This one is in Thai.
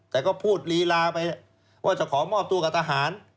แต่ก็พูดลีลาไปว่าจะขอมอบตัวกับทหาร